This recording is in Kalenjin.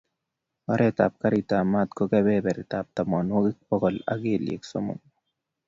Oret ab karit ab maat ko keperperta tamanwokik bokol, ak keliek somok